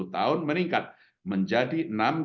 sepuluh tahun meningkat menjadi